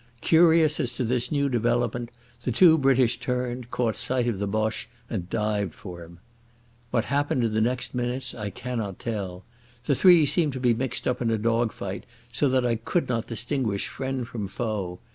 Curious as to this new development, the two British turned, caught sight of the Boche, and dived for him. What happened in the next minutes I cannot tell. The three seemed to be mixed up in a dog fight, so that I could not distinguish friend from foe.